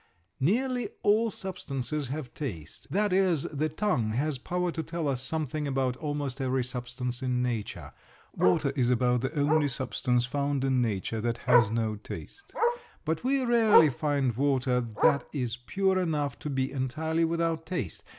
Nearly all substances have taste. That is, the tongue has power to tell us something about almost every substance in nature. Water is about the only substance found in nature that has no taste. But we rarely find water that is pure enough to be entirely without taste.